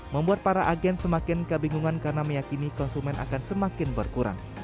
membuat para agen semakin kebingungan karena meyakini konsumen akan semakin berkurang